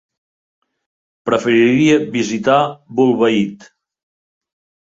Preferiria visitar Bolbait.